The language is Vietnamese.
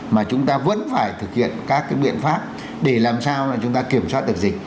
mà chúng ta vẫn phải thực hiện các biện pháp để làm sao chúng ta kiểm soát được dịch